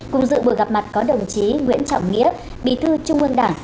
cùng dự buổi gặp mặt có đồng chí nguyễn trọng nghĩa bí thư trung ương đảng